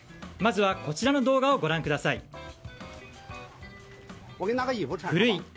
まずはこちらの動画をご覧ください。